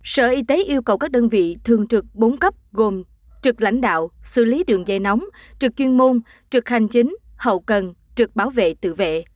sở y tế yêu cầu các đơn vị thường trực bốn cấp gồm trực lãnh đạo xử lý đường dây nóng trực chuyên môn trực hành chính hậu cần trực bảo vệ tự vệ